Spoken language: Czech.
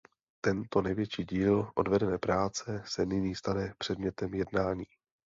Tento největší díl odvedené práce se nyní stane předmětem jednání.